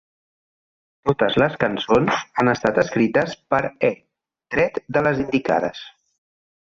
Totes les cançons ha estat escrites per E, tret de les indicades.